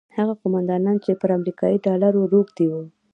هغه قوماندانان چې پر امریکایي ډالرو روږدي وو.